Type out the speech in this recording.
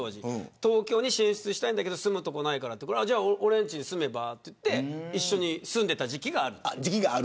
東京進出したいんだけど住む所ないからとじゃあ俺んちに住めばと言って一緒に住んでいた時期がある。